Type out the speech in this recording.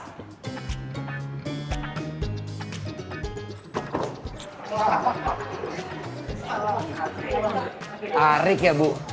pertama kali berbicara dengan pak besta